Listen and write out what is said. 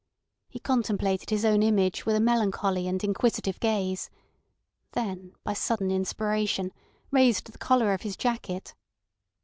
He contemplated his own image with a melancholy and inquisitive gaze, then by sudden inspiration raised the collar of his jacket.